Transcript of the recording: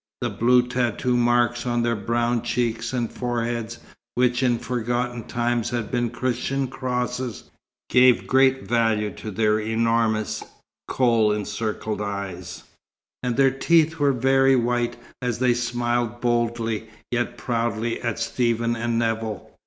The blue tattoo marks on their brown cheeks and foreheads, which in forgotten times had been Christian crosses, gave great value to their enormous, kohl encircled eyes; and their teeth were very white as they smiled boldly, yet proudly, at Stephen and Nevill.